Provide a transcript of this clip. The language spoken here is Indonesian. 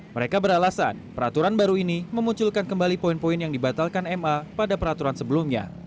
mereka beralasan peraturan baru ini memunculkan kembali poin poin yang dibatalkan ma pada peraturan sebelumnya